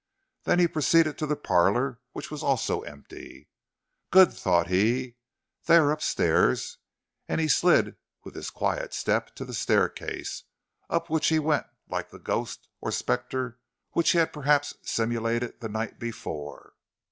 Then he proceeded to the parlor, which was also empty. "Good," thought he, "they are up stairs"; and he slid with his quiet step to the staircase, up which he went like the ghost or spectre which he had perhaps simulated the night before.